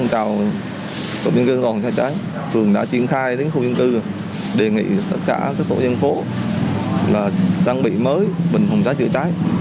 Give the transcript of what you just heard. tất cả các hộ dân phố đang bị mới bình phòng cháy chữa cháy